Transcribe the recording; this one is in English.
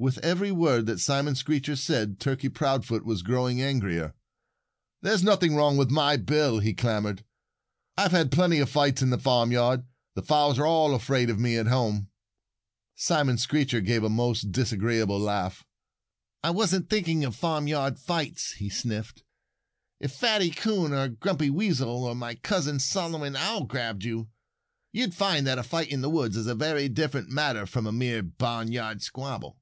With every word that Simon Screecher said, Turkey Proudfoot was growing angrier. "There's nothing wrong with my bill," he clamored. "I've had plenty of fights in the farmyard. The fowls are all afraid of me at home." Simon Screecher gave a most disagreeable laugh. "I wasn't thinking of farmyard fights," he sniffed. "If Fatty Coon or Grumpy Weasel or my cousin Solomon Owl grabbed you, you'd find that a fight in the woods is a very different matter from a mere barnyard squabble."